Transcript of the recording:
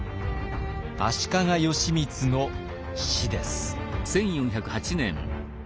足利義満の死です。